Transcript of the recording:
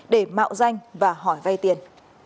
để mạo danh và hỏi vay tiền